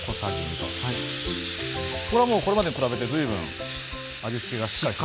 これはもうこれまでに比べて随分味付けがしっかり。